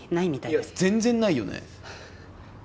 いや全然ないよね。